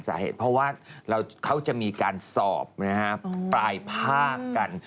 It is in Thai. สาเหตุเพราะว่าเขาจะมีการสอบปลายภาคกัน